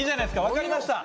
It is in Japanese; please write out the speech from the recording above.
分かりました。